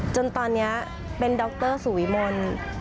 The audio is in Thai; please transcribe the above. จนตอนนี้เป็นดรสุวิมล